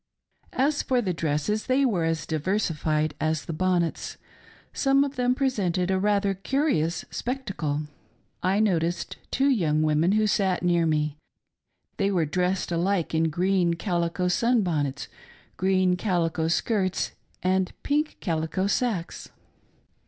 As for the dresses, they were as diversified as the bonnets. Some of them presented a rathd: curious spectacle. I noticed two young women who sat near me : they . were dressed alike in green calico sun bonnets, green calico skirts, and pink 'calico sacks.